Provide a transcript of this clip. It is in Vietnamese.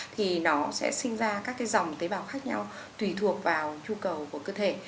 thì nó sẽ sinh ra các cái dòng tế bào khác nhau tùy thuộc vào nhu cầu của cơ thể